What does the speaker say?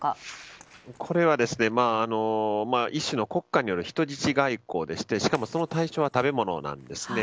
これは、一種の国家による人質外交でしてしかもその対象の食べ物なんです。